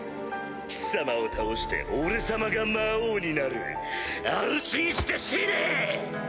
貴様を倒して俺様が魔王にな安心して死ね！